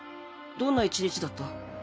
どんな一日だった？